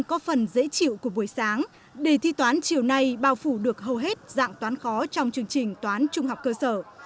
có phần dễ chịu của buổi sáng đề thi toán chiều nay bao phủ được hầu hết dạng toán khó trong chương trình toán trung học cơ sở